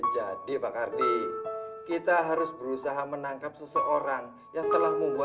jadi pak ardi kita harus berusaha menangkap seseorang yang telah membuat